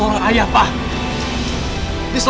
tonggeng beli tuju pria tersebut